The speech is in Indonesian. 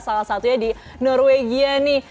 salah satunya di norwegia nih